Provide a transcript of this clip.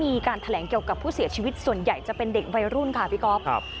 มีการแถลงเกี่ยวกับผู้เสียชีวิตส่วนใหญ่จะเป็นเด็กวัยรุ่นค่ะพี่ก๊อฟครับ